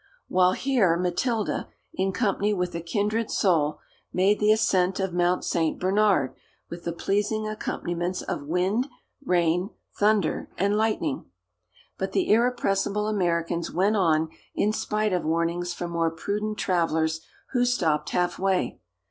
While here Matilda, in company with a kindred soul, made the ascent of Mount St. Bernard with the pleasing accompaniments of wind, rain, thunder, and lightning. But the irrepressible Americans went on in spite of warnings from more prudent travellers who stopped half way.